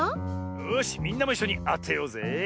よしみんなもいっしょにあてようぜえ！